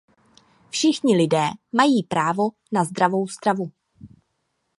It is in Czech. Všichni lidé mají právo na zdravou stravu.